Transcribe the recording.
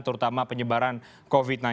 terutama penyebaran covid sembilan belas